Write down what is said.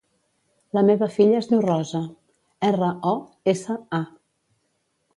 La meva filla es diu Rosa: erra, o, essa, a.